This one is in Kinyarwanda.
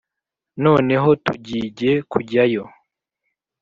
'noneho tugigye kujya yo